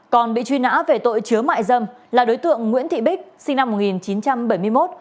còn bị truy nã về tội chứa mại dâm là đối tượng nguyễn thị bích sinh năm một nghìn chín trăm bảy mươi một